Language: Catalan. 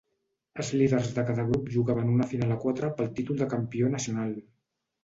Els líders de cada grup jugaven una final a quatre pel títol de campió nacional.